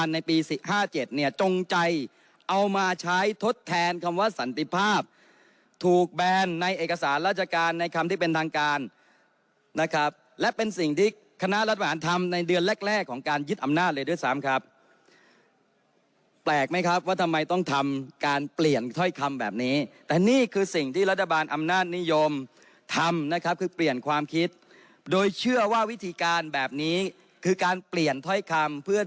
ในปี๔๕๗เนี่ยจงใจเอามาใช้ทดแทนคำว่าสันติภาพถูกแบนในเอกสารราชการในคำที่เป็นทางการนะครับและเป็นสิ่งที่คณะรัฐประหารทำในเดือนแรกแรกของการยึดอำนาจเลยด้วยซ้ำครับแปลกไหมครับว่าทำไมต้องทำการเปลี่ยนถ้อยคำแบบนี้แต่นี่คือสิ่งที่รัฐบาลอำนาจนิยมทำนะครับคือเปลี่ยนความคิดโดยเชื่อว่าวิธีการแบบนี้คือการเปลี่ยนถ้อยคำเพื่อ